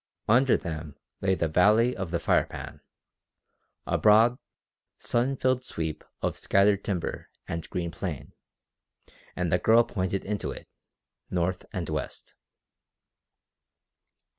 Under them lay the valley of the Firepan, a broad, sun filled sweep of scattered timber and green plain, and the girl pointed into it, north and west.